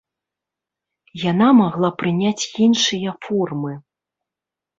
Яна магла прыняць іншыя формы.